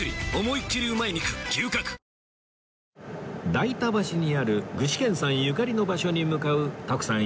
代田橋にある具志堅さんゆかりの場所に向かう徳さん